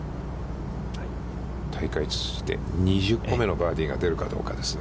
大会通じて２０個目のバーディーが出るかどうかですね。